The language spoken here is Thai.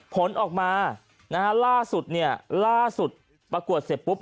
ผลออกมานะฮะล่าสุดเนี่ยล่าสุดประกวดเสร็จปุ๊บ